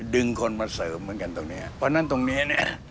ดึงคนมาเสริมเหมือนกันตรงนี้